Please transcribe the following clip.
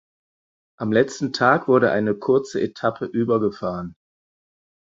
Am letzten Tag wurde eine kurze Etappe über gefahren.